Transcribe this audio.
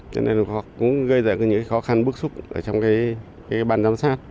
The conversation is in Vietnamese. cho nên họ cũng gây ra những khó khăn bức xúc ở trong cái bàn giám sát